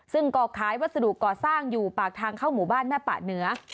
ซึ่งก็ขายวัสดุก่อสร้างอยู่ปากทางเข้าหมู่บ้านแม่ปะเหนือ